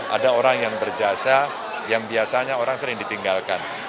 ada orang yang berjasa yang biasanya orang sering ditinggalkan